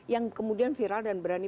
yang kemudian viral dan berani